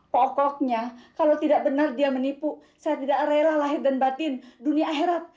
pokoknya kalau tidak benar dia menipu saya tidak rela lahir dan batin dunia akhirat